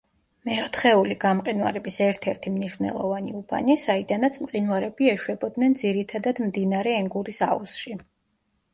მეოთხეული გამყინვარების ერთ-ერთი მნიშვნელოვანი უბანი, საიდანაც მყინვარები ეშვებოდნენ ძირითადად მდინარე ენგურის აუზში.